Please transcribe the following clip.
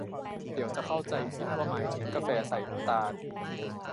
เดี๋ยวจะเข้าใจผิดว่าหมายถึงกาแฟใส่น้ำตาล